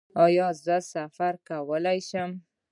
ایا زه سفر کولی شم؟